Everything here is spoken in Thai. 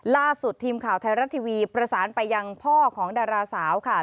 ล่าสุดทีมข่าวไทยรัฐทีวีประสานไปยังพ่อของดาราสาวค่ะ